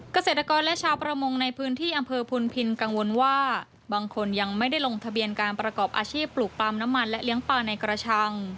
เกษตรกรและชาวประมงในพื้นที่อำเภอพุนพินกังวลว่าบางคนยังไม่ได้ลงทะเบียนการประกอบอาชีพปลูกปั๊มน้ำมันและเลี้ยงปลาในกระชัง